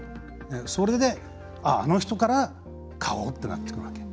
それで、あの人から買おうってなってくるわけ。